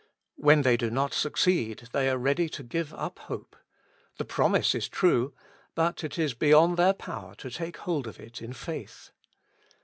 When they do not succeed, they are ready to give up hope ; the promise is true, but it is beyond their power fo take hold of it in faith.